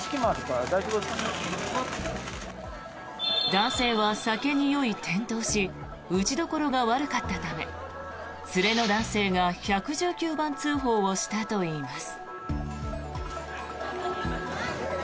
男性は酒に酔い転倒し打ちどころが悪かったため連れの男性が１１９番通報をしたといいます。